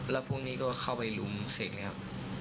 กับแล้วเธอก็เข้าไปรุมเซกนะครับ